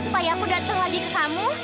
supaya aku datang lagi ke kamu